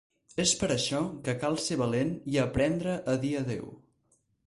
És per això que cal ser valent i aprendre a dir adéu.